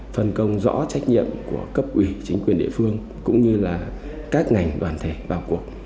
phân công rõ trách nhiệm của cấp ủy chính quyền địa phương cũng như là các ngành đoàn thể vào cuộc